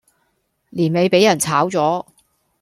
年尾俾人炒左